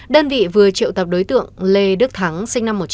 đơn vị vừa triệu tập đối tượng lê đức thắng sinh năm một nghìn chín trăm tám mươi